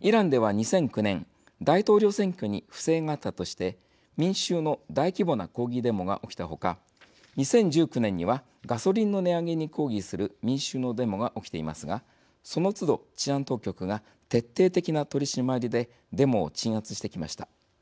イランでは、２００９年大統領選挙に不正があったとして民衆の大規模な抗議デモが起きた他２０１９年にはガソリンの値上げに抗議する民衆のデモが起きていますがその都度、治安当局が徹底的な取締りでデモを鎮圧してきました。